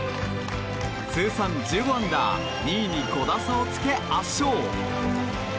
通算１５アンダー２位に５打差をつけ圧勝。